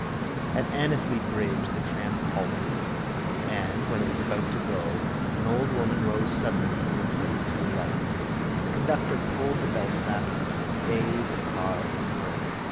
At Annesley bridge the tram halted and, when it was about to go, an old woman rose suddenly from her place to alight. The conductor pulled the bellstrap to stay the car for her.